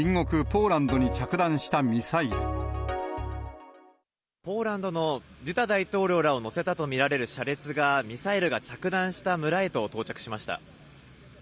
ポーランドのドゥダ大統領らを乗せたと見られる車列が、ミサイルが着弾した村へと到着しました。